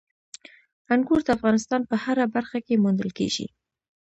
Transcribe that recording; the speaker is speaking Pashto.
انګور د افغانستان په هره برخه کې موندل کېږي.